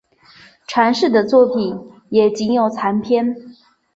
传世的作品也仅有残篇。